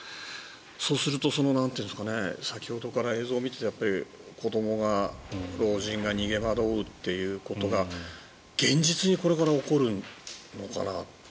そうすると、先ほどから映像を見ていて子ども、老人が逃げ惑うということが現実にこれから起こるのかなと。